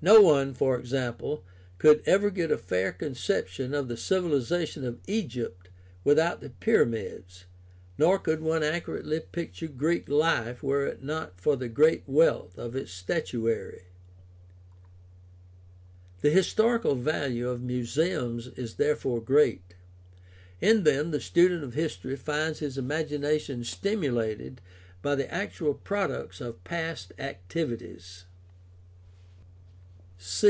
No one, for example, could ever get a fair con ception of the civilization of Egypt without the pyramids, nor could one accurately picture Greek life were it not for the great wealth of its statuary. The historical value of muse ums is therefore great. In them the student of history finds his imagination stimulated by the actual products of past activities.